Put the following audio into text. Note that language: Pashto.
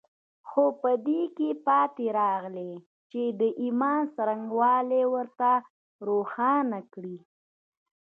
خو په دې کې پاتې راغلي چې د ايمان څرنګوالي ورته روښانه کړي.